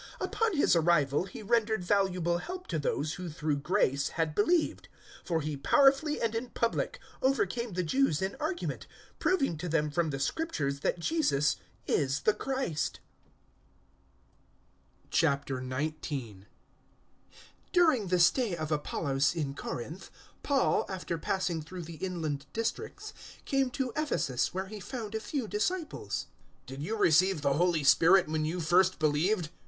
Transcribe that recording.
Upon his arrival he rendered valuable help to those who through grace had believed; 018:028 for he powerfully and in public overcame the Jews in argument, proving to them from the Scriptures that Jesus is the Christ. 019:001 During the stay of Apollos in Corinth, Paul, after passing through the inland districts, came to Ephesus, where he found a few disciples. 019:002 "Did you receive the Holy Spirit when you first believed?"